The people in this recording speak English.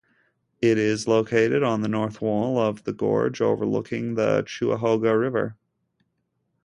It is located on the north wall of the gorge overlooking the Cuyahoga River.